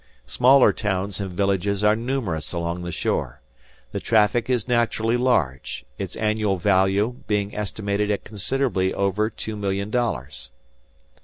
Smaller towns and villages are numerous along the shore. The traffic is naturally large, its annual value being estimated at considerably over two million dollars.